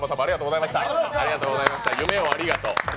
夢をありがとう。